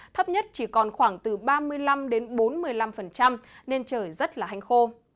thấp nhất chỉ còn khoảng từ ba mươi năm đến bốn mươi năm nên trời rất là hành khô